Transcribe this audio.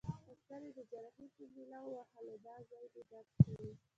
پر سر يي د جراحۍ په میله ووهلم: دغه ځای دي درد کوي؟